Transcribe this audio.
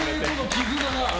絆が。